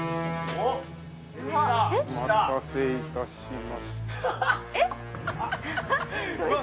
お待たせいたしました。